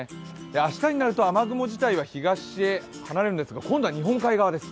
明日になると雨雲自体は東へ離れるんですが、今度は日本海側です。